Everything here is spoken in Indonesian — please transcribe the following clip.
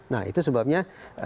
nah itu sebabnya